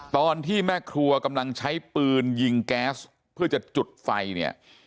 ตอนที่แม่ครัวกำลังใช้ปืนยิงแก๊สเพื่อจะจุดไฟเนี่ย